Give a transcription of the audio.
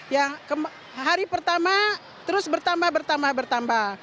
yang hari pertama terus bertambah bertambah bertambah bertambah